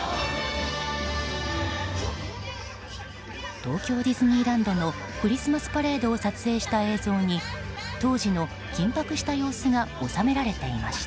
東京ディズニーランドのクリスマスパレードを撮影した映像に当時の緊迫した様子が収められていました。